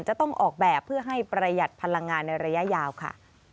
จะต้องออกแบบเพื่อให้ประหยัดพลังงานในระยะยาวค่ะ